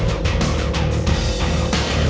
gue gak terima boy